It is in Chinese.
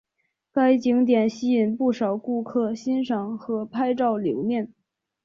该景点吸引不少顾客欣赏和拍照留念。